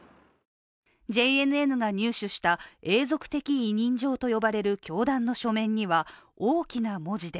ＪＮＮが入手した永続的委任状と呼ばれる教団の書面には、大きな文字で